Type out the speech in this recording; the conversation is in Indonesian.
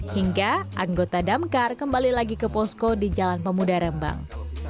hingga anggota damkar kembali lagi ke posko di jalan pemuda rembang